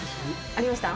ありました。